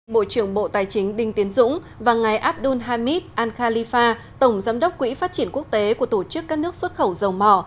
bộ trưởng bộ tài chính đinh tiến dũng và ngài abdul hamid al khalifa tổng giám đốc quỹ phát triển quốc tế của tổ chức các nước xuất khẩu dầu mỏ